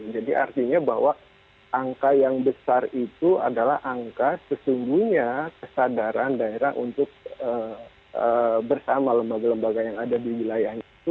jadi artinya bahwa angka yang besar itu adalah angka sesungguhnya kesadaran daerah untuk bersama lembaga lembaga yang ada di wilayah itu